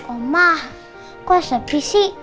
omah kok sepi sih